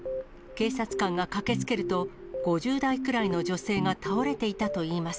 警察官が駆けつけると、５０代くらいの女性が倒れていたといいます。